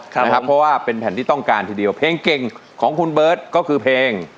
เพราะว่าเป็นแผ่นที่ต้องการทีเดียวเพลงเก่งของคุณเบิร์ตก็คือเพลง